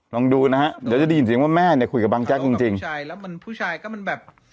ลองดูนะฮะเดี๋ยวจะได้ยินเสียงว่าแม่เนี่ยคุยกับบางแจ๊กจริงจริงใช่แล้วมันผู้ชายก็มันแบบ